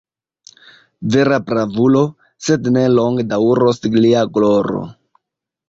Vera bravulo, sed ne longe daŭros lia gloro!